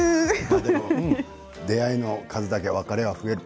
出会いの数だけ別れは増える。